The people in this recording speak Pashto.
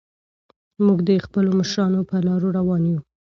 موږ د خپلو مشرانو په لارو روان یو.